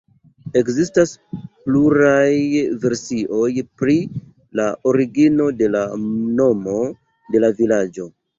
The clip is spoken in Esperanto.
Ekzistas pluraj versioj pri la origino de la nomo de la vilaĝo.